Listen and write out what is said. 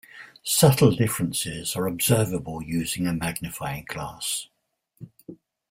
Subtle differences are observable using a magnifying glass.